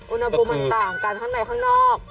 อุณหภูมิมันต่างกันข้างในข้างนอก